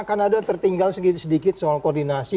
akan ada tertinggal sedikit sedikit soal koordinasi